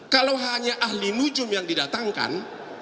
kalau hanya ahli nujum yang didatangkan